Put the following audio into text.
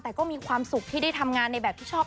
แต่ก็มีความสุขที่ได้ทำงานในแบบที่ชอบ